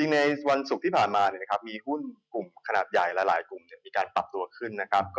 ในวันสุขที่ผ่านมามีหุ้นหุ่นขนาดใหญ่หลายกลุ่มมีการปรับตัวขึ้น